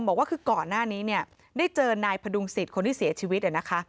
บอกว่าคือก่อนหน้านี้ได้เจอนายพดุงสิทธิ์คนที่เสียชีวิต